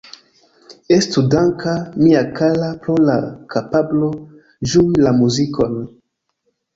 Estu danka, mia kara, pro la kapablo ĝui la muzikon.